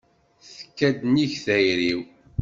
Tekka-d nnig n tayri-w.